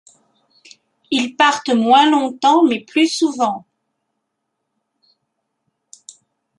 Ils partent moins longtemps mais plus souvent.